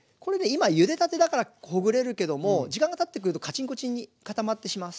今ゆでたてだからほぐれるけども時間がたってくるとカチンコチンに固まってきます。